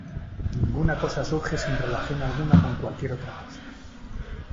Ninguna cosa surge sin relación alguna con cualquier otra cosa".